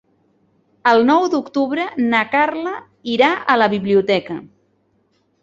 El nou d'octubre na Carla irà a la biblioteca.